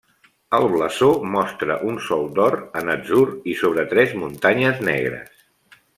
El blasó mostra un Sol d'or en atzur i sobre tres muntanyes negres.